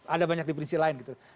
ada banyak di berisi lain